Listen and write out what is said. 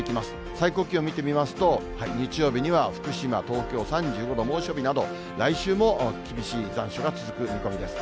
最高気温見てみますと、日曜日には福島、東京３５度、猛暑日など、来週も厳しい残暑が続く見込みです。